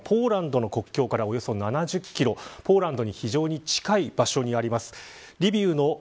リビウはポーランドの国境からおよそ７０キロポーランドに非常に近い場所にあります。